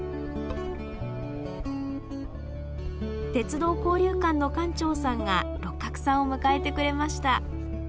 鉄道交流館の館長さんが六角さんを迎えてくれました。